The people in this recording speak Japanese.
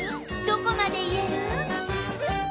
どこまで言える？